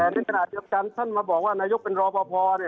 ในขณะเดียวกันท่านมาบอกว่านายกเป็นรอปภ